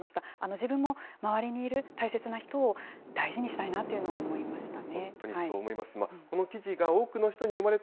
自分も周りにいる大切な人を大事にしたいなというのを思いました